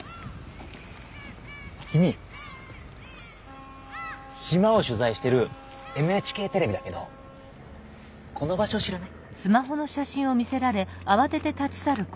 君しまをしゅざいしてるＭＨＫテレビだけどこの場所知らない？